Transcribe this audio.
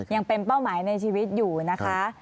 ยังเป็นเป้าหมายในชีวิตอยู่นะคะ